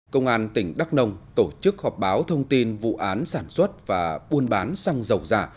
công an tỉnh đắk nông tổ chức họp báo thông tin vụ án sản xuất và buôn bán xăng dầu giả